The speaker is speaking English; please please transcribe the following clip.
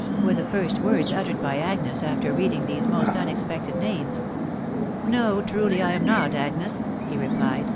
were the first words uttered by Agnes after reading these most unexpected names. " No, truly am I not, Agnes," he replied.